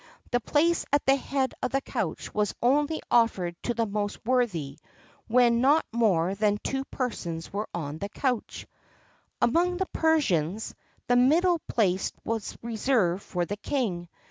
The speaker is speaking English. The place at the head of the couch was only offered to the most worthy, when not more than two persons were on the couch.[XXXII 58] Among the Persians, the middle place was reserved for the king.